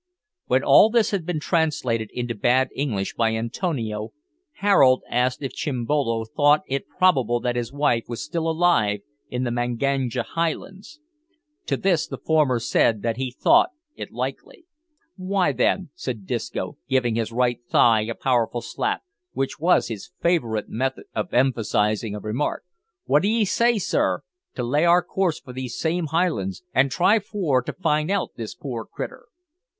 When all this had been translated into bad English by Antonio, Harold asked if Chimbolo thought it probable that his wife was still alive in the Manganja highlands. To this the former said that he thought it likely. "W'y, then," said Disco, giving his right thigh a powerful slap, which was his favourite method of emphasising a remark, "wot d'ye say, sir, to lay our course for these same highlands, and try for to find out this poor critter?"